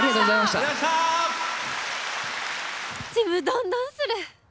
ちむどんどんする！